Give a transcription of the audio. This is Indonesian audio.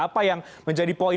apa yang menjadi poin